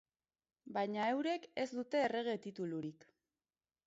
Baina eurek ez dute errege titulurik.